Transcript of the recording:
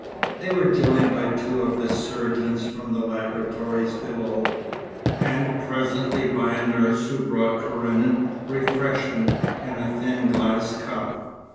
They were joined by two of the surgeons from the laboratories below, and presently by a nurse who brought Karenin refreshment in a thin glass cup.